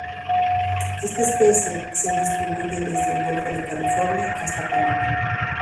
Esta especie se distribuye desde el Golfo de California, hasta Panamá.